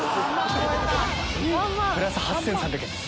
プラス８３００円です。